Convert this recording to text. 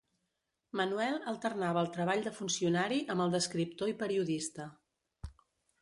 Manuel alternava el treball de funcionari amb el d'escriptor i periodista.